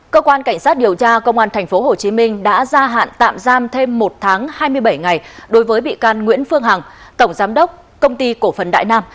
cơ quan cảnh sát điều tra công an tp hcm đã ra hạn tạm giam thêm một tháng hai mươi bảy ngày đối với bị can nguyễn phương hằng tổng giám đốc công ty cổ phần đại nam